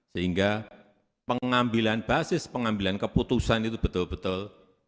sehingga pengambilan basis pengambilan keputusan itu betul betul